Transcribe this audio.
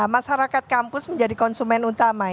masyarakat kampus menjadi konsumen utama